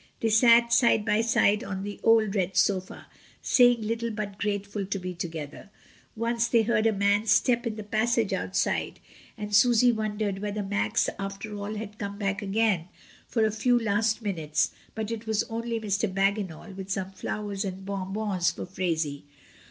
They sat side by side on the old red sofa, saying little, but grateful to be together. Once they heard a man's step in the passage outside, and Susy won dered whether Max after all had corae back again for a few last minutes, but it was only Mr.Bagginal with some flowers and bonbons for Phraisie.